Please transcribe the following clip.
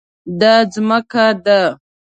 دا ځمکه ده